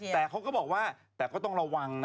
แต่เขาก็บอกว่าแต่ก็ต้องระวังนะ